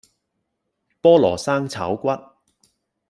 菠蘿生炒骨